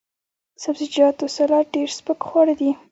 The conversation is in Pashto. د سبزیجاتو سلاد ډیر سپک خواړه دي.